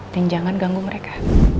dan jangan ganggu mereka